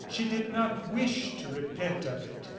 She did not wish to repent of it.